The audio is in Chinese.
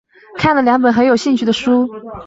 看了两本很有兴趣的书